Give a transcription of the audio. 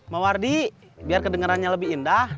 mawar di biar kedengerannya lebih indah